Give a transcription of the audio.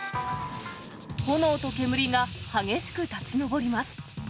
炎と煙が激しく立ち上ります。